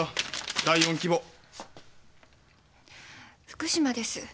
福島です。